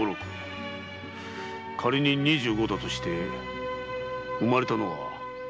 仮に二十五だとして生まれたのは？